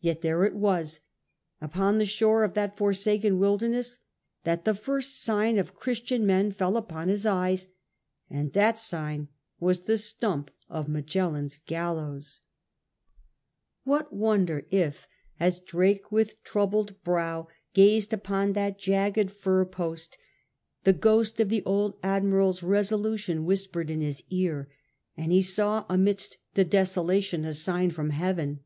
Yet 72 S//^ FRANCIS DRAKE chap. there it was, upon the shore of that forsaken wilderness, that the first sign of Christian men fell upon his eyes ; and that sign was the stump of Magellan's gallows. What wonder if, as Drake with troubled brow gazed upon that jagged fir post, the ghost of the old admiral's resolution whispered in his ear, and he saw amidst the desolation a sign from Heaven?